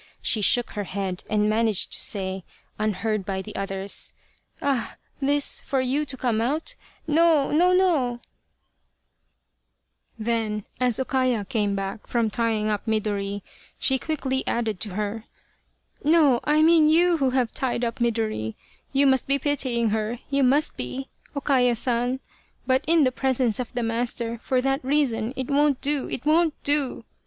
She shook her head and managed to say, unheard by the others :" Ah ! this, for you to come out, no, no, no !" 149 Urasato, or the Crow of Dawn Then, as O Kaya came back from tying up Midori, she quickly added to her, " No, I mean you who have tied up Midori, you must be pitying her, you must be, Kaya San but in the presence of the master for that reason it won't do ! It won't do